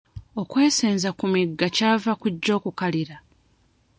Okwesenza ku migga kyava ku gyo kukalira.